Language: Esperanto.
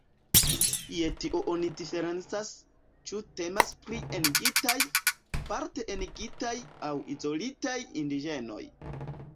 Je tio oni diferencas, ĉu temas pri "enigitaj", "parte enigitaj" aŭ "izolitaj" indiĝenoj.